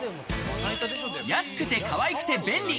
安くてかわいくて便利。